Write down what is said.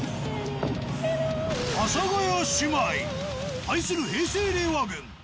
阿佐ヶ谷姉妹。対する平成・令和軍。